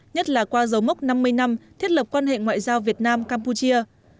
nhất là qua dấu mốc năm mươi năm thiết lập quan hệ ngoại giao việt nam campuchia